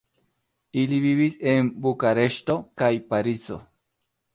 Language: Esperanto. Ili vivis en Bukareŝto kaj Parizo.